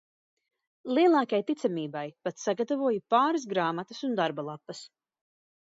Lielākai ticamībai pat sagatavoju pāris grāmatas un darba lapas.